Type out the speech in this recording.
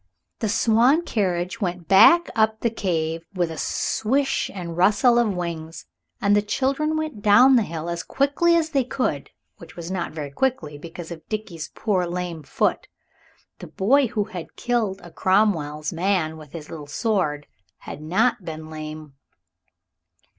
The swan carriage went back up the cave with a swish and rustle of wings, and the children went down the hill as quickly as they could which was not very quickly because of Dickie's poor lame foot. The boy who had killed a Cromwell's man with his little sword had not been lame.